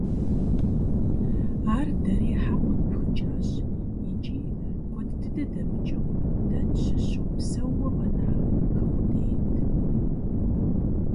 Ар дэри хьэкъыу тпхыкӀащ, икӀи, куэд дыдэ дэмыкӀыу, дэ тщыщу псэууэ къэнар хы къудейт.